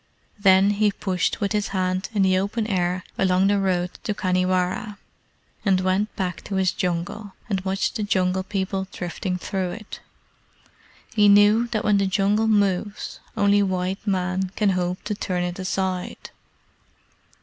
Then he pushed with his hand in the open air along the road to Khanhiwara, and went back to his Jungle, and watched the Jungle People drifting through it. He knew that when the Jungle moves only white men can hope to turn it aside.